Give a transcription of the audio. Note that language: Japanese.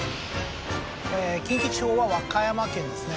近畿地方は和歌山県ですね